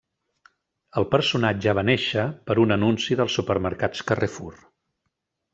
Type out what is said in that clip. El personatge va néixer per un anunci dels supermercats Carrefour.